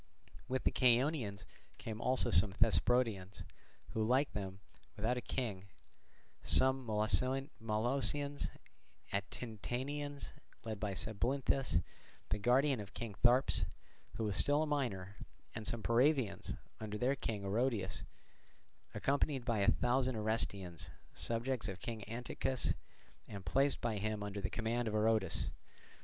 With the Chaonians came also some Thesprotians, like them without a king, some Molossians and Atintanians led by Sabylinthus, the guardian of King Tharyps who was still a minor, and some Paravaeans, under their king Oroedus, accompanied by a thousand Orestians, subjects of King Antichus and placed by him under the command of Oroedus.